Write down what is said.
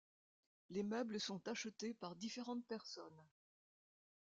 Les meubles sont achetés par différentes personnes.